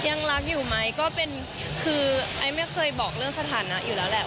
ยังรักอยู่ไหมก็เป็นคือไอ้ไม่เคยบอกเรื่องสถานะอยู่แล้วแหละ